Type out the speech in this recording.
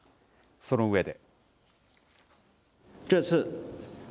その上で。